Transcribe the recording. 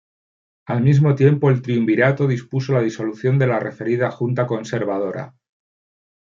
Al mismo tiempo el Triunvirato dispuso la disolución de la referida Junta Conservadora.